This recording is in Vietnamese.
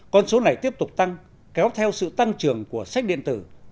con số này tiếp tục tăng kéo theo sự tăng trưởng của sách điện tử